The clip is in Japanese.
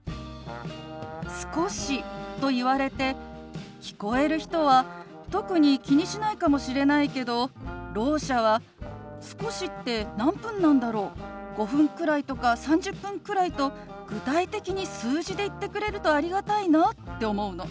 「少し」と言われて聞こえる人は特に気にしないかもしれないけどろう者は「少しって何分なんだろう？『５分くらい』とか『３０分くらい』と具体的に数字で言ってくれるとありがたいな」って思うの。